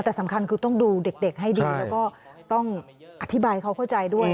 แต่สำคัญคือต้องดูเด็กให้ดีแล้วก็ต้องอธิบายเขาเข้าใจด้วย